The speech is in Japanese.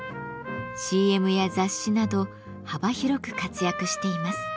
ＣＭや雑誌など幅広く活躍しています。